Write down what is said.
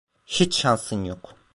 Hiç şansın yok.